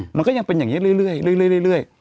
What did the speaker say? มันก็ยังเป็นอย่างนี้เรื่อย